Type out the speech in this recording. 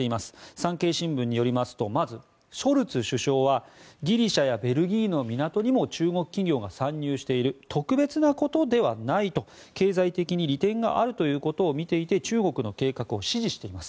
産経新聞によりますとまず、ショルツ首相はギリシャやベルギーの港にも中国企業が参入している特別なことではないと経済的に利点があるということを見ていて中国の計画を支持しています。